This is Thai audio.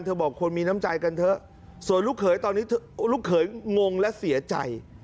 บอกควรมีน้ำใจกันเถอะส่วนลูกเขยตอนนี้ลูกเขยงงและเสียใจ